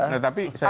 nah tapi saya kira